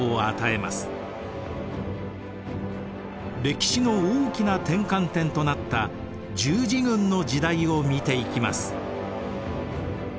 歴史の大きな転換点となった十字軍の時代を見ていきます。